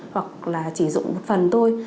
hoặc là chỉ dụng phần thôi